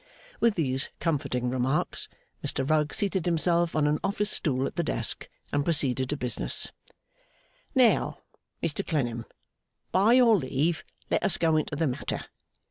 With these comforting remarks, Mr Rugg seated himself on an office stool at the desk and proceeded to business. 'Now, Mr Clennam, by your leave, let us go into the matter.